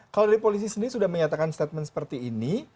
kalau dari polisi sendiri sudah menyatakan statement seperti ini